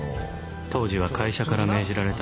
当時は会社から命じられた